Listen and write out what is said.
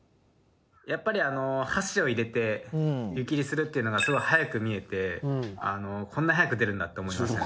やっぱり箸を入れて湯切りするっていうのがすごい速く見えてこんな速く出るんだと思いました。